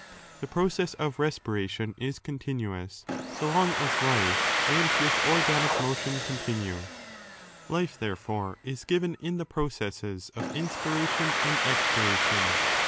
The process of respiration is continuous, so long as life and this organic motion continue. Life, therefore, is given in the processes of inspiration and expiration.